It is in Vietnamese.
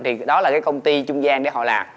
thì đó là cái công ty trung gian để họ làm